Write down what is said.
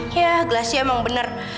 hah ya glass sih emang bener